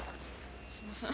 すいません。